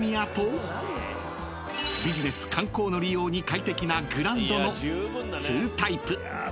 ［ビジネス観光の利用に快適なグランドの２タイプ］